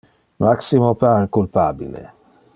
Maximo pare culpabile.